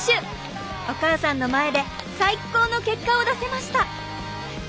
お母さんの前で最高の結果を出せました！